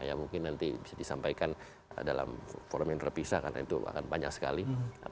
ya mungkin nanti bisa disampaikan dalam forum yang terpisah karena itu akan banyak sekali